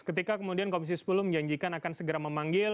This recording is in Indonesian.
ketika kemudian komisi sepuluh menjanjikan akan segera memanggil